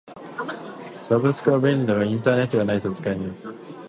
サブスクは便利だがインターネットがないと使えない。